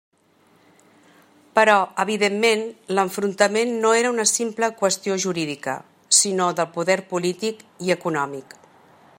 Però, evidentment, l'enfrontament no era una simple qüestió jurídica, sinó de poder polític i econòmic.